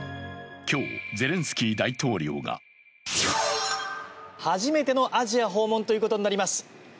今日、ゼレンスキー大統領が初めてのアジア訪問ということになります。